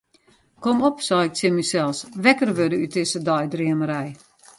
Kom op, sei ik tsjin mysels, wekker wurde út dizze deidreamerij.